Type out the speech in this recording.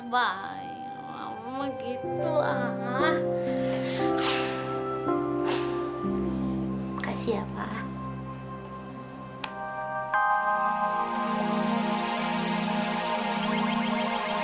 baik jangan begitu abah